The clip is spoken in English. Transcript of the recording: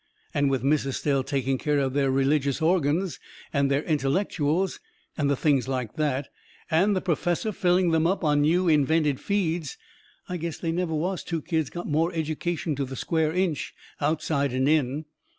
And with Miss Estelle taking care of their religious organs and their intellectuals and the things like that, and the perfessor filling them up on new invented feeds, I guess they never was two kids got more education to the square inch, outside and in.